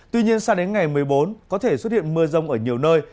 tuy nhiên sang đến ngày một mươi bốn có thể xuất hiện mưa rông ở nhiều nơi